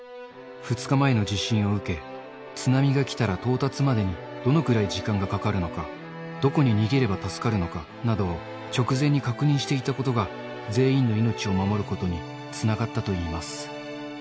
２日前の地震を受け、津波が来たら到達までにどのくらい時間がかかるのか、どこに逃げれば助かるのかなどを直前に確認していたことが、全員の命を守ることにつながったといいます。